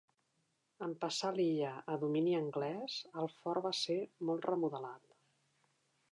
En passar l'illa a domini anglès el fort va ser molt remodelat.